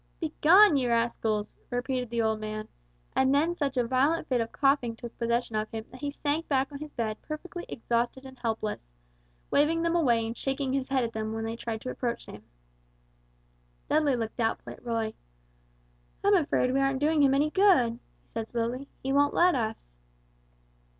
"Begone, ye rascals!" repeated the old man, and then such a violent fit of coughing took possession of him that he sank back on his bed perfectly exhausted and helpless, waving them away and shaking his head at them when they tried to approach him. Dudley looked doubtfully at Roy. "I'm afraid we aren't doing him any good," he said, slowly. "He won't let us."